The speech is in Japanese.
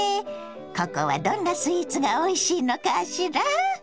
ここはどんなスイーツがおいしいのかしら？